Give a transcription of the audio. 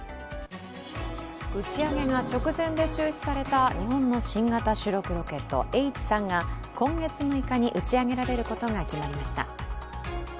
打ち上げが直前で中止された日本の主力新型ロケット、Ｈ３が今月６日に打ち上げられることが決まりました。